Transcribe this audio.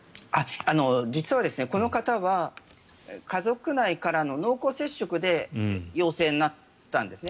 実はこの方は家族内からの濃厚接触で陽性になったんですね。